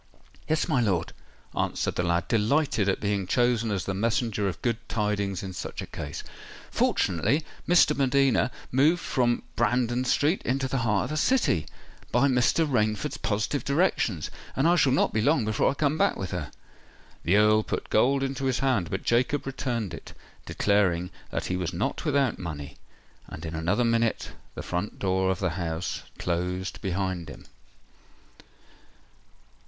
"Yes, my lord," answered the lad, delighted at being chosen as the messenger of good tidings in such a case. "Fortunately, Miss de Medina moved from Brandon Street into the heart of the City, by Mr. Rainford's positive directions: and I shall not be long before I come back with her." The Earl put gold into his hand; but Jacob returned it, declaring that he was not without money; and in another minute the front door of the house closed behind him.